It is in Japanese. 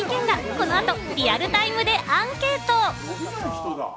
この後リアルタイムでアンケート！